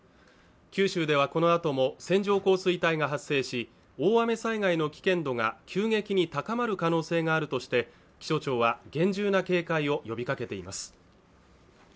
九州ではこのあとも線状降水帯が発生し、大雨災害の危険度が急激に高まる可能性があるとして気象庁は厳重な警戒を呼びかけています。